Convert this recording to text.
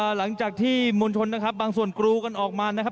หลังจากที่มวลชนนะครับบางส่วนกรูกันออกมานะครับ